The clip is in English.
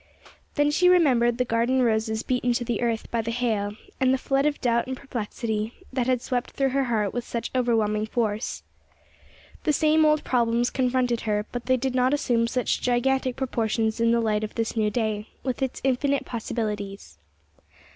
Then she remembered the garden roses beaten to earth by the hail, and the flood of doubt and perplexity that had swept through her heart with such overwhelming force. The same old problems confronted her; but they did not assume such gigantic proportions in the light of this new day, with its infinite possibilities.